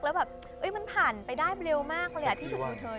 แล้วแบบมันผ่านไปได้เร็วมากเลยที่ถูกยูเทิร์น